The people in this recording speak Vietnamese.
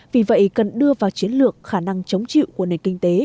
vì vậy cần đưa vào chiến lược khả năng chống chịu của nền kinh tế